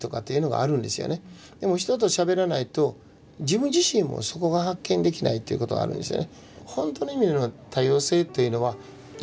でも人としゃべらないと自分自身もそこが発見できないっていうことがあるんですよね。